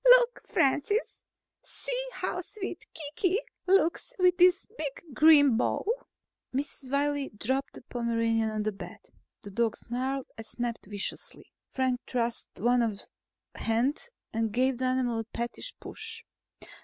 "Look, Francis! See how sweet Kiki looks with this big green bow!" Mrs. Wiley dropped the Pomeranian on the bed. The dog snarled and snapped viciously. Frank thrust out one hand and gave the animal a pettish push.